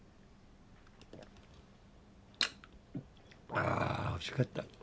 あおいしかった。